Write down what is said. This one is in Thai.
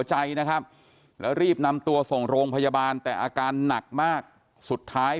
ใจนะครับแล้วรีบนำตัวส่งโรงพยาบาลแต่อาการหนักมากสุดท้าย